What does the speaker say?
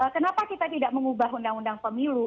kenapa kita tidak mengubah undang undang pemilu